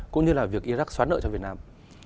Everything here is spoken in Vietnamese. cũng như là việc iraq xóa nợ cho việt nam